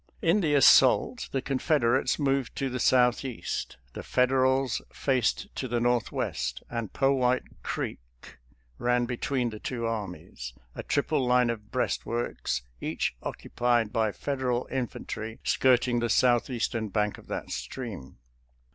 In the assault the Confederates moved to the southeast, the Federals faced to the northwest, and Powhite Creek ran between the two armifes, a triple line of breastworks, each occupied by 298 SOLDIER'S LETTERS yO CHARMING NELLIE Federal infantry, skirting the southeastern bank of that stream.